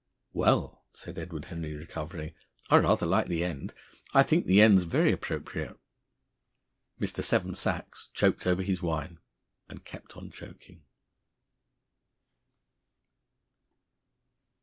_" "Well," said Edward Henry, recovering, "I rather like the end. I think the end's very appropriate." Mr. Seven Sachs choked over his wine, and kept on choking.